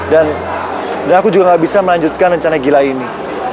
dan aku juga gak bisa melanjutkan rencana gila ini